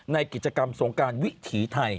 ในกิจกรรมสงการวิถีไทย